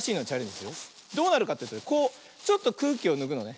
どうなるかっていうとこうちょっとくうきをぬくのね。